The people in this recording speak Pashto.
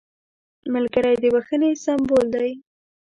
ملګری د بښنې سمبول دی